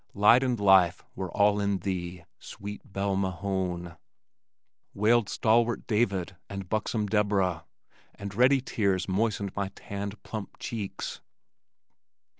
Light and life were all in thee, Sweet Belle Mahone, wailed stalwart David and buxom Deborah, and ready tears moistened my tanned plump cheeks.